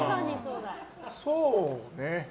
そうね。